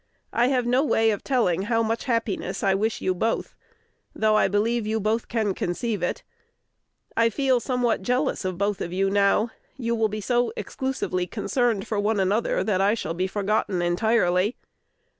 I have no way of telling how much happiness I wish you both, though I believe you both can conceive it. I feel somewhat jealous of both of you now: you will be so exclusively concerned for one another, that I shall be forgotten entirely.